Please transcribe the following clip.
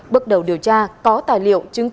bước đầu điều tra có tài liệu chứng minh